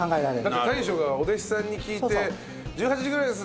だって大将がお弟子さんに聞いて「１８時ぐらいです」